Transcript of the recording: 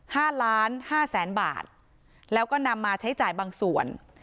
ห้าล้านห้าแสนบาทแล้วก็นำมาใช้จ่ายบางส่วน